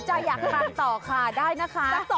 สนใจอยากการต่อค่ะได้นะคะ